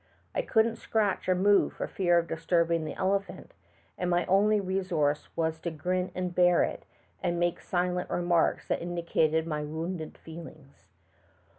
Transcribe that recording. I eouldn't scratch or move for fear of disturbing the elephant, and my only resouree was to grin and bear it and make silent remarks that indicated my wounded feelings.